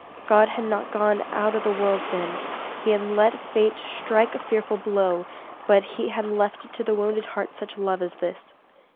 God had not gone out of the world then. He had let fate strike a fearful blow, but He had left to the wounded heart such love as this.